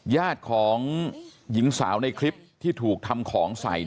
ญาติของหญิงสาวในคลิปที่ถูกทำของใส่